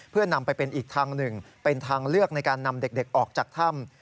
เพื่อนำไปเป็นอีกทางหนึ่งเป็นทางเลือกในการนำเด็กออกจากถ้ำ